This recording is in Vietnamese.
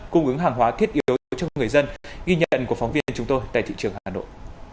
cung ứng hàng hóa thiết yếu cho người dân ghi nhận của phóng viên chúng tôi tại thị trường hà nội